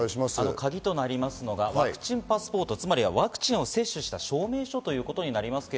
カギとなるのがワクチンパスポート、つまりワクチンを接種した証明書ということなりますが。